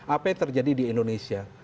apa yang terjadi di indonesia